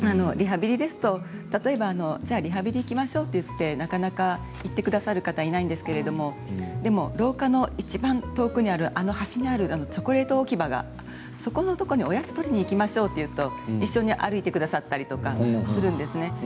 リハビリですと、例えばじゃあ、リハビリ行きましょうと言ってなかなか行ってくださる方はいないんですけれどもでも、廊下のいちばん遠くにあるあの端にあるチョコレート置き場がそこのところのおやつを取りに行きましょうと言うと一緒に歩いてくださったりとかするんですね。